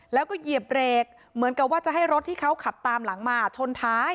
แล้วก็เหยียบเบรกเหมือนกับว่าจะให้รถที่เขาขับตามหลังมาชนท้าย